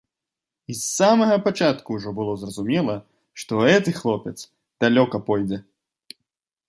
І з самага пачатку ўжо было зразумела, што гэты хлопец далёка пойдзе.